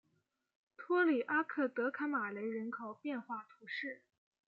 托里阿克德卡马雷人口变化图示